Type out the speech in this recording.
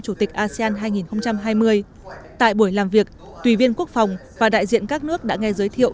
chủ tịch asean hai nghìn hai mươi tại buổi làm việc tùy viên quốc phòng và đại diện các nước đã nghe giới thiệu